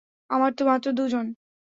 আমরা তো মাত্র দুজন।